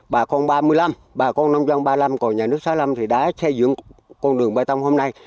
bà con ba mươi năm bà con nông dân ba mươi năm còn nhà nước sáu mươi năm thì đã xây dựng con đường bê tông hôm nay